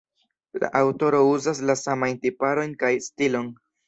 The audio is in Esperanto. La aŭtoro uzas la samajn tiparojn kaj stilon.